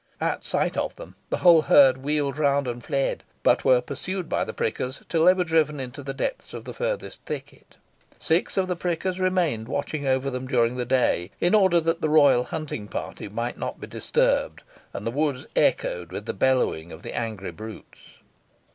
At sight of them, the whole herd wheeled round and fled, but were pursued by the prickers till they were driven into the depths of the furthest thicket. Six of the prickers remained watching over them during the day, in order that the royal hunting party might not be disturbed, and the woods echoed with the bellowing of the angry brutes.